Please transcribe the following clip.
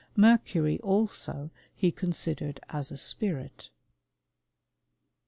Mercury also he considered as asplrit.